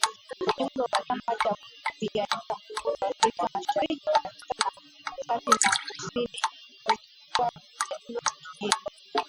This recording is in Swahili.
Ujumbe wa Chama cha kupigania Uhuru Afrika Mashariki Kati na Kusini ulikuwa umetua jijini